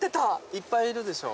いっぱいいるでしょ？